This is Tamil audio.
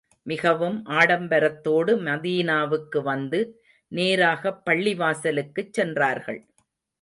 மிகவும் ஆடம்பரத்தோடு மதீனாவுக்கு வந்து, நேராகப் பள்ளிவாசலுக்குச் சென்றார்கள்.